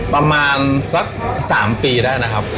ประมาณสัก๓ปีได้นะครับ